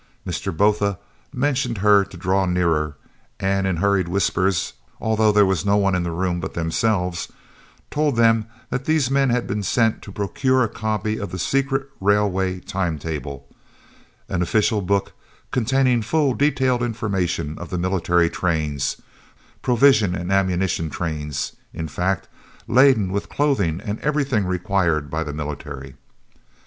Mr. Botha motioned her to draw nearer, and in hurried whispers, although there was no one in the room but themselves, told them that these men had been sent to procure a copy of the secret railway time table, an official book containing full detailed information of the military trains, provision and ammunition trains, in fact, laden with clothing and everything required by the military.